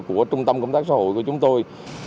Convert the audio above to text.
của trung tâm công tác xã hội của chúng tôi